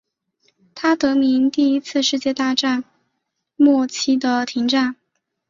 它得名于第一次世界大战末期的停战。